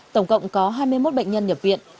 tổng cộng có hai mươi một bệnh nhân nhập viện